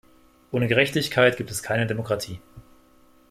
Ohne Gerechtigkeit gibt es keine Demokratie.